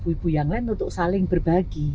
ibu ibu yang lain untuk saling berbagi